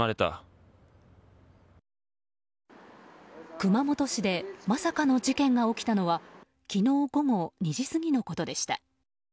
熊本市でまさかの事件が起きたのは昨日午後２時過ぎのことでした。